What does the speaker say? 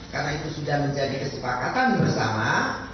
karena itu sudah menjadi kesepakatan bersama